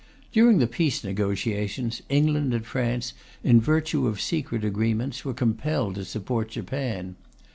During the peace negotiations, England and France, in virtue of secret agreements, were compelled to support Japan.